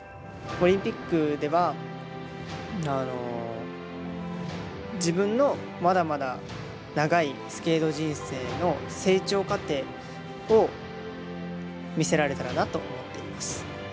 オリンピックでは、自分のまだまだ長いスケート人生の成長過程を見せられたらなと思っています。